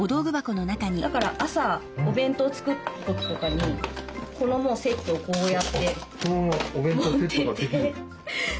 だから朝お弁当作る時とかにこのセットをこうやって持ってって。